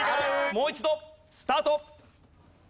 もう一度スタート！